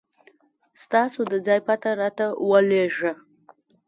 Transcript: ستاسو د ځای پته راته ولېږه